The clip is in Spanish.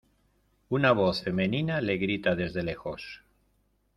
una voz femenina le grita desde lejos: